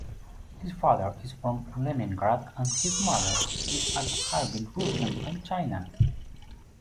His father is from Leningrad and his mother is a Harbin Russian from China.